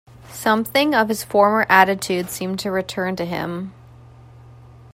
Something of his former attitude seemed to return to him.